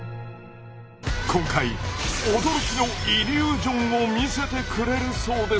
今回驚きのイリュージョンを見せてくれるそうです。